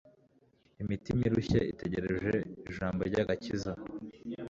imitima irushye itegereje ijambo ry'agakiza.